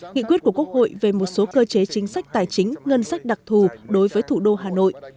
nghị quyết của quốc hội về một số cơ chế chính sách tài chính ngân sách đặc thù đối với thủ đô hà nội